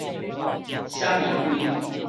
閃離開